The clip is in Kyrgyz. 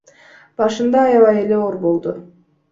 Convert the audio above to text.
Башында аябай эле оор болду.